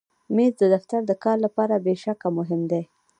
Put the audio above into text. مېز د دفتر د کار لپاره بې له شکه مهم دی.